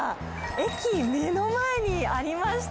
駅、目の前にありました。